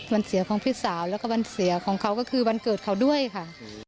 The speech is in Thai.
วันเสียของพี่สาวแล้วก็วันเสียของเขาก็คือวันเกิดเขาด้วยค่ะ